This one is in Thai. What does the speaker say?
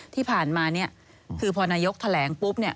ที่ผ่านมาเนี่ยคือพอนายกแถลงปุ๊บเนี่ย